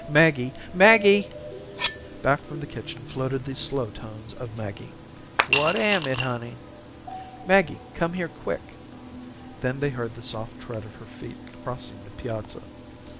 Maggie. Maggie." Back from the kitchen floated the slow tones of Maggie. "What am it, honey?" "Maggie, come here, quick." Then they heard the soft tread of her feet crossing the piazza.